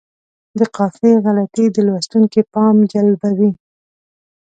د قافیې غلطي د لوستونکي پام جلبوي.